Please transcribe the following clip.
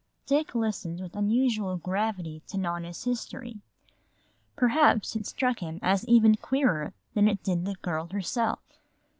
Dick listened with unusual gravity to Nona's history. Perhaps it struck him as even queerer than it did the girl herself.